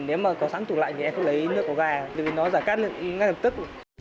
nếu mà có sẵn tủ lạnh thì em không lấy nước có ga vì nó giải khát ngay lập tức